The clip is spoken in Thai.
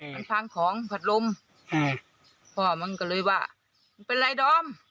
มันพังของผัดลมใช่พ่อมันก็เลยว่ามึงเป็นไรดอม